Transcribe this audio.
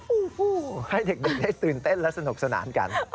โอ้โหให้เด็กได้ตื่นเต้นและสนุกสนานกัน